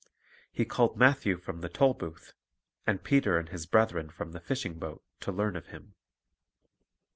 He called Matthew from the toll booth, and Peter and his brethren from the fishing boat, to learn of Him.